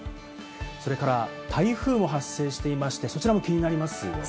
それから台風も発生していまして、そちらも気になりますよね。